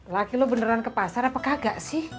lagi lo beneran ke pasar apa kagak sih